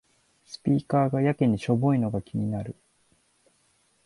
スピーカーがやけにしょぼいのが気になる